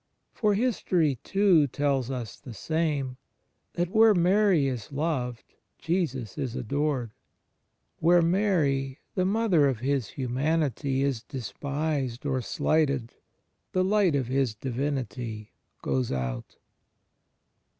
For history too, tells us the same, that where Mary is loved, Jesus is adored; where Mary, the Mother of His Humanity, is despised or slighted, the light of His Divinity goes out.